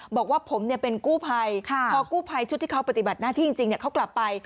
บอกว่าผมเป็นกู้ภัยพอกู้ภัยชุดที่เขาปฏิบัติหน้าที่จริงเขากลับไป